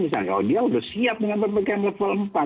misalnya kalau dia sudah siap dengan ppkm level empat